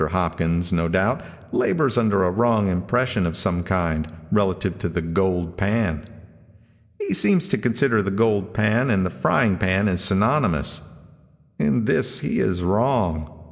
Hopkins, no doubt, labors under a wrong impression of some kind, relative to the gold pan. He seems to consider the gold pan and the frying pan as synonymous. In this he is wrong.